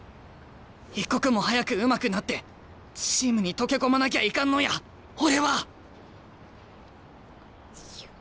一刻も早くうまくなってチームに溶け込まなきゃいかんのや俺は！